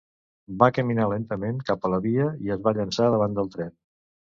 Va caminar lentament cap a la via i es va llançar davant del tren.